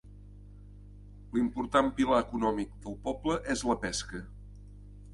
L'important pilar econòmic del poble és la pesca.